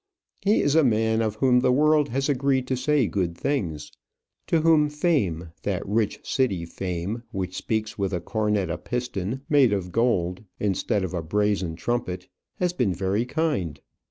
He is a man of whom the world has agreed to say good things; to whom fame, that rich City fame, which speaks with a cornet a piston made of gold, instead of a brazen trumpet, has been very kind.